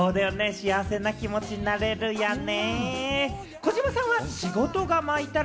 幸せな気持ちになれるよね！